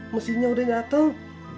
mesinnya udah nyateng